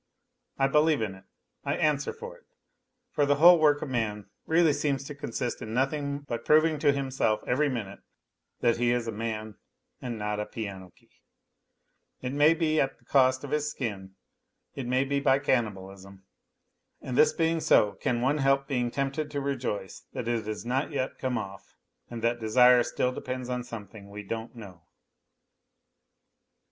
I believe in it, I answer for it, for the whole work of man really seems to consist in nothing but proving to himself every minute that he is a man and not a piano key ! It may be at the cost of his skin, it may be by cannibalism ! And this being so, can one help being tempted to rejoice that it has not yet come off, and that desire still depends on something we don't know